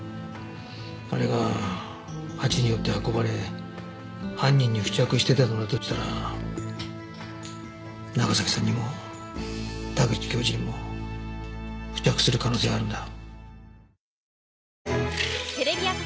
あれが蜂によって運ばれ犯人に付着していたのだとしたら長崎さんにも田口教授にも付着する可能性はあるんだ。